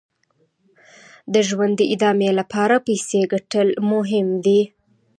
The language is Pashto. د ژوند د ادامې لپاره پیسې ګټل یې مهم دي.